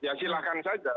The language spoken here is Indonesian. ya silahkan saja